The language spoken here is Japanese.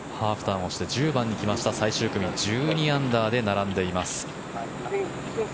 ハーフターンをして１０番に来ました最終組、１２アンダーで並んでいます。